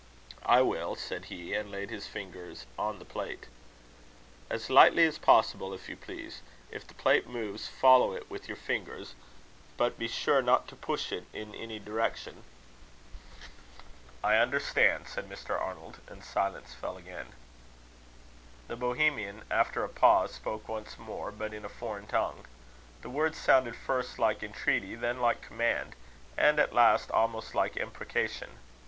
"I will," said he, and laid his fingers on the plate. "As lightly as possible, if you please. If the plate moves, follow it with your fingers, but be sure not to push it in any direction." "I understand," said Mr. Arnold; and silence fell again. The Bohemian, after a pause, spoke once more, but in a foreign tongue. The words sounded first like entreaty, then like command, and at last, almost like imprecation.